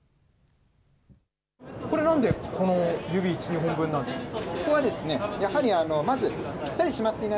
これ、なんでこの指、１、２本なんですか。